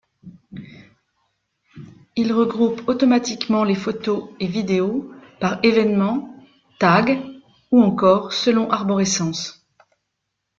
Il regroupe automatiquement les photos et vidéos par évènement, tags ou encore selon arborescence.